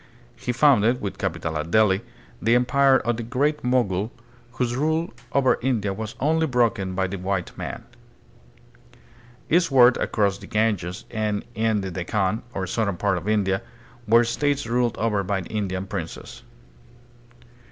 He founded, with capital at Delhi, the empire of the Great Mogul, whose rule over India was only broken by the white man. Eastward across the Ganges and in the Dekkan, or southern part of India, were states ruled over by Indian princes.